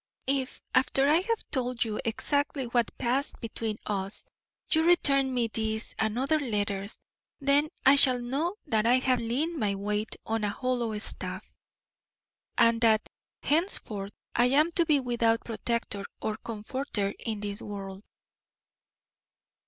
If, after I have told you exactly what passed between us, you return me this and other letters, then I shall know that I have leaned my weight on a hollow staff, and that henceforth I am to be without protector or comforter in this world.